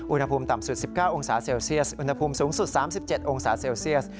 อุณหภูมิต่ำสุด๑๙องศาเซลเซียสอุณหภูมิสูงสุด๓๗องศาเซลเซียส